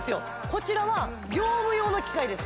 こちらは業務用の機械です